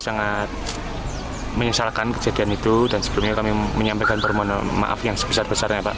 sangat menyesalkan kejadian itu dan sebelumnya kami menyampaikan permohonan maaf yang sebesar besarnya pak